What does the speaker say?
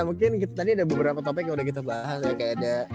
mungkin tadi ada beberapa topik yang udah kita bahas ya kayak